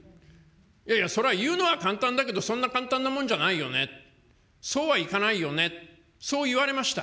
いやいや、それは言うのは簡単だけどそんな簡単なものじゃないよね、そうはいかないよね、そう言われました。